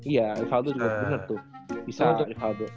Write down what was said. iya rivaldo juga bener tuh bisa rivaldo